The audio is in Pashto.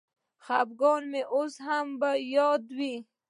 خپګان مي اوس هم په یاد دی.